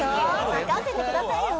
任せてくださいよ。